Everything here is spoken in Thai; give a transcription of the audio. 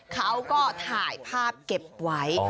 เขาก็ถ่ายภาพเก็บไว้